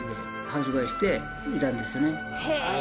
へえ。